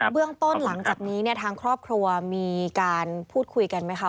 เรื่องต้นหลังจากนี้เนี่ยทางครอบครัวมีการพูดคุยกันไหมคะ